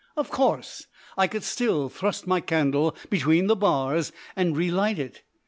Of course, I could still thrust my candle between the bars and relight it!